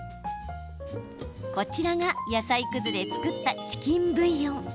こちらが、野菜くずで作ったチキンブイヨン。